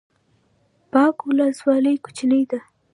باک ولسوالۍ کوچنۍ ده؟